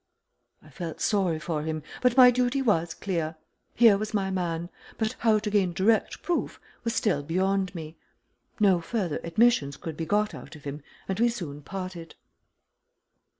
I felt sorry for him, but my duty was clear. Here was my man but how to gain direct proof was still beyond me. No further admissions could be got out of him, and we soon parted.